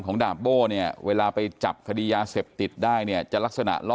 ดาบโบ้เนี่ยเวลาไปจับคดียาเสพติดได้เนี่ยจะลักษณะล่อ